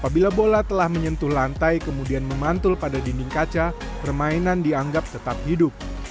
apabila bola telah menyentuh lantai kemudian memantul pada dinding kaca permainan dianggap tetap hidup